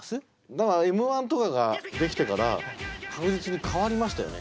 だから「Ｍ−１」とかができてから確実に変わりましたよね。